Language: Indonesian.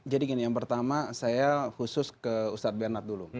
jadi gini yang pertama saya khusus ke ustadz bernard dulu